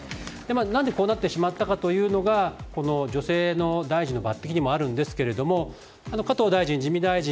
何でこうなってしまったかというのがこの女性の大臣の抜擢にもあるんですが加藤大臣、自見大臣